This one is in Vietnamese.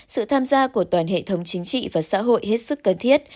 sự tham gia của toàn hệ thống chính trị và xã hội hết sức cần thiết